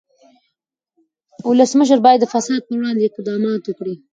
ولسمشر باید د فساد پر وړاندې اقدامات وکړي.